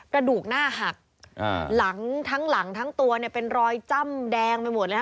กระดูกหน้าหักหลังทั้งหลังทั้งตัวเนี่ยเป็นรอยจ้ำแดงไปหมดเลยค่ะ